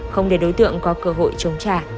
không để đối tượng có cơ hội chống trả